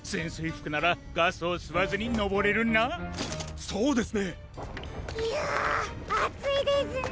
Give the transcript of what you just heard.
ひゃあついですね。